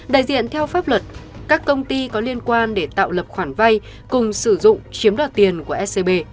đại diện theo pháp luật các công ty có liên quan để tạo lập khoản vay cùng sử dụng chiếm đoạt tiền của scb